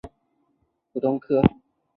现在设有高中部普通科。